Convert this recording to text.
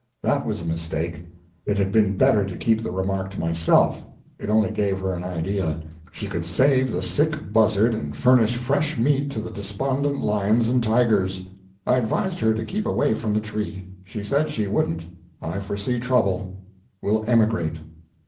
That was a mistake it had been better to keep the remark to myself; it only gave her an idea she could save the sick buzzard, and furnish fresh meat to the despondent lions and tigers. I advised her to keep away from the tree. She said she wouldn't. I foresee trouble. Will emigrate.